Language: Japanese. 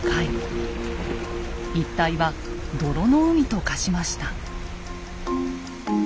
一帯は「泥の海」と化しました。